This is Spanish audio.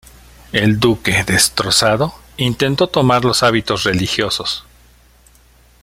El duque, destrozado, intento tomar los hábitos religiosos.